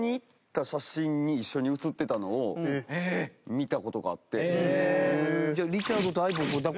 見た事があって。